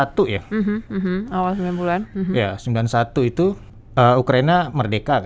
seribu sembilan ratus sembilan puluh satu itu ukraina merdeka